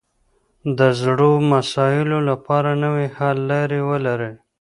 د زړو مسایلو لپاره نوې حل لارې ولري